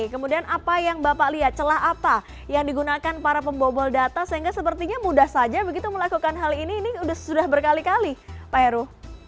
kemudian apa yang bapak lihat celah apa yang digunakan para pembobol data sehingga sepertinya mudah saja begitu melakukan hal ini ini sudah berkali kali pak heru